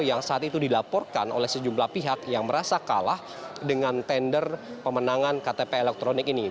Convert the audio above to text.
yang saat itu dilaporkan oleh sejumlah pihak yang merasa kalah dengan tender pemenangan ktp elektronik ini